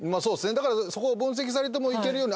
だからそこを分析されてもいけるように。